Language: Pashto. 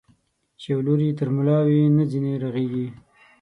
چي يو لور يې تر ملا وي، نه ځيني رغېږي.